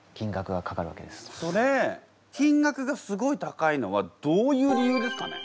それ金額がすごい高いのはどういう理由ですかね？